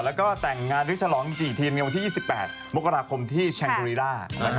แล้วก็แต่งงานด้วยฉลองกี่ทีมในวันที่๒๘มกราคมที่แชมโบรีร่า